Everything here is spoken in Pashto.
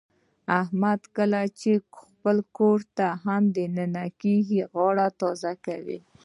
احمد چې کله خپل کورته هم د ننه کېږي، غاړه تازه کوي.